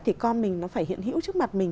thì con mình nó phải hiện hữu trước mặt mình